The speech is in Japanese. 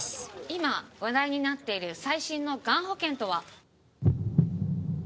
今話題になっている最新のがん保険とは？